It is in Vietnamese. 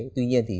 tuy nhiên thì